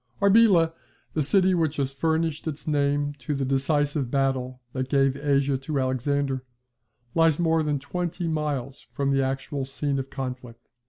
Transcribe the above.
Arbela, the city which has furnished its name to the decisive battle that gave Asia to Alexander, lies more than twenty miles from the actual scene of conflict.